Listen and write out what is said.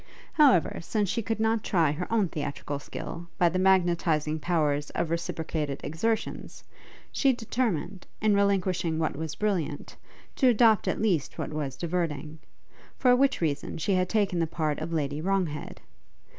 However, since she could not try her own theatrical skill, by the magnetizing powers of reciprocated exertions, she determined, in relinquishing what was brilliant, to adopt at least what was diverting; for which reason she had taken the part of Lady Wronghead.